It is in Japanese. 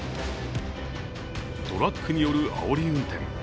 トラックによるあおり運転。